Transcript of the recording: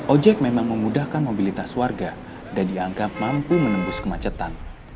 ojek memang memudahkan mobilitas warga dan dianggap mampu menembus kemacetan